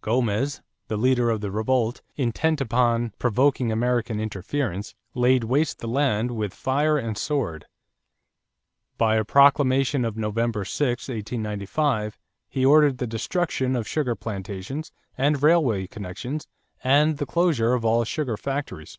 Gomez, the leader of the revolt, intent upon provoking American interference, laid waste the land with fire and sword. By a proclamation of November 6, 1895, he ordered the destruction of sugar plantations and railway connections and the closure of all sugar factories.